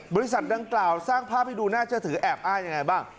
บริษัทดังกล่าวสร้างภาพให้ดูน่าเชื่อถือแอบอ้างยังไงบ้าง